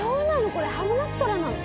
これ「ハムナプトラ」なの？